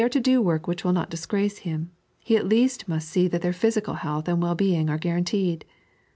If they are to do work which will not dis grace him, he at least must see that their physical health and well being are guaranteed.